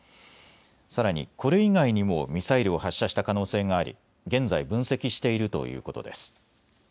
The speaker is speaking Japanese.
さらにこれ以外にもミサイルを発射した可能性があり現在、分析しているということです。